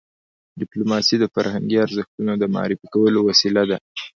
ډيپلوماسي د فرهنګي ارزښتونو د معرفي کولو وسیله ده.